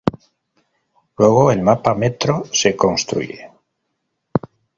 Luego el mapa metro se construye.